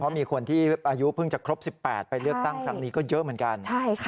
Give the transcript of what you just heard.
เพราะมีคนที่อายุเพิ่งจะครบ๑๘ไปเลือกตั้งครั้งนี้ก็เยอะเหมือนกัน